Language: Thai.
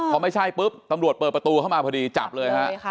พอไม่ใช่ปุ๊บตำรวจเปิดประตูเข้ามาพอดีจับเลยฮะ